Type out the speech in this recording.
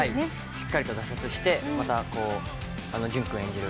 しっかりと挫折して、淳君演じる